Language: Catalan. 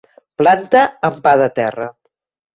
Planta amb pa de terra.